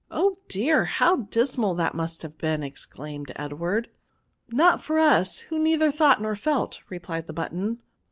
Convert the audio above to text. " Oh dear I how dismal that must have been !" exdaimed Edward* " Not for us, who neither thought nor felt," replied the button.